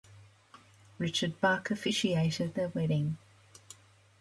Richard Buck officiated their wedding.